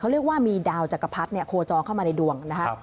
เขาเรียกว่ามีดาวจักรพรรดิเนี้ยโคจรเข้ามาในด่วงนะคะครับ